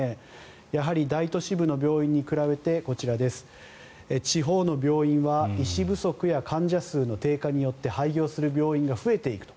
やはり大都市部の病院に比べて地方の病院は医師不足や患者数の低下によって廃業する病院が増えていくと。